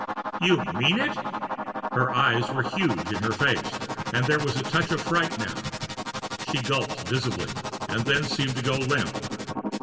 "You mean it!" Her eyes were huge in her face, and there was a touch of fright now. She gulped visibly, and then seemed to go limp.